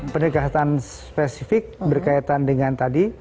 pendekatan spesifik berkaitan dengan tadi